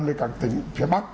đến các tỉnh phía bắc